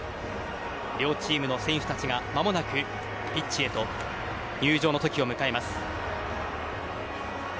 両チームの選手たちが間もなくピッチへと入場の時を迎えます。